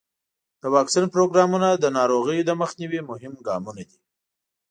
د واکسین پروګرامونه د ناروغیو د مخنیوي مهم ګامونه دي.